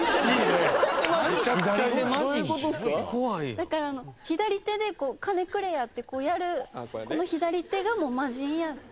だから左手で「金くれや」ってやるこの左手がもう魔人やって。